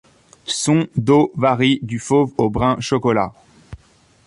Son dos varie du fauve au brun chocolat.